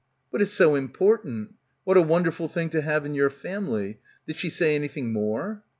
"But it's so important. What a wonderful thing to have in your family. Did she say any thing more?"